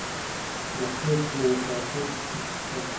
د خوست په نادر شاه کوټ کې څه شی شته؟